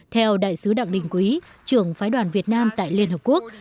theo đại sứ đặng đình quý trưởng phái đoàn việt nam tại liên hợp quốc